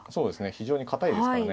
非常に堅いですからね。